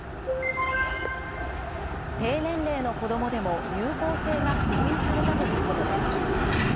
低年齢の子どもでも有効性が確認されたということです。